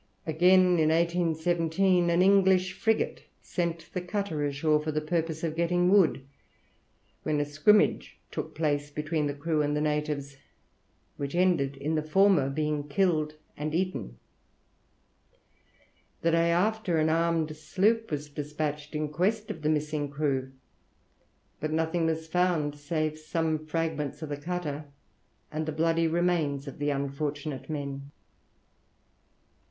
Again, in 1817, an English frigate sent the cutter ashore for the purpose of getting wood, when a scrimmage took place between the crew and the natives, which ended in the former being killed and eaten. The day after, an armed sloop was despatched in quest of the missing crew; but nothing was found save some fragments of the cutter and the bloody remains of the unfortunate men.